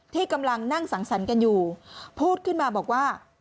ที่กำลังนั่งสังสรรค์กันอยู่พูดขึ้นมาบอกว่า